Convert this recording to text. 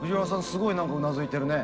すごい何かうなずいてるね。